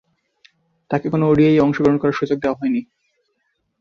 তাকে কোন ওডিআইয়ে অংশগ্রহণ করার সুযোগ দেয়া হয়নি।